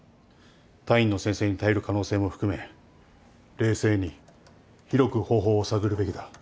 他院の先生に頼る可能性も含め冷静に広く方法を探るべきだ。